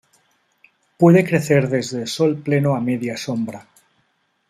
Puede crecer desde sol pleno a media sombra.